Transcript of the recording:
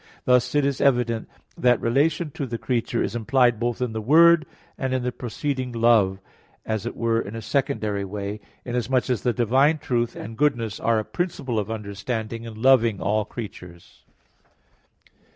Thus it is evident that relation to the creature is implied both in the Word and in the proceeding Love, as it were in a secondary way, inasmuch as the divine truth and goodness are a principle of understanding and loving all creatures.